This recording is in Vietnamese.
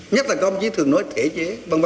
nhất là các ông chí thường nói thể chế v v